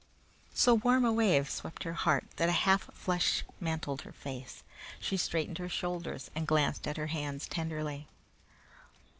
So warm a wave swept her heart that a half flush mantled her face. She straightened her shoulders and glanced at her hands tenderly.